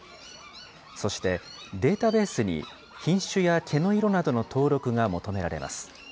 そしてデータベースに、品種や毛の色などの登録が求められます。